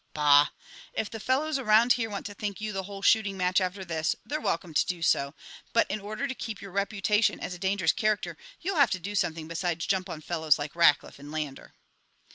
Bah! If the fellows around here want to think you the whole shooting match after this, they're welcome to do so. But in order to keep your reputation as a dangerous character you'll have to do something besides jump on fellows like Rackliff and Lander."